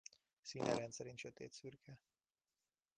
Színe rendszerint sötétszürke.